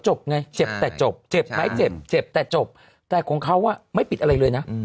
จบไงจบแต่จบแต่ของเขาว่าไม่พิษอะไรเลยนะอืม